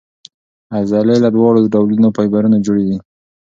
عضلې له دواړو ډولو فایبرونو جوړې دي.